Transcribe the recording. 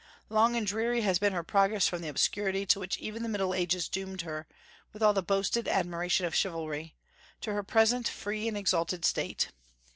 Long and dreary has been her progress from the obscurity to which even the Middle Ages doomed her, with all the boasted admiration of chivalry, to her present free and exalted state.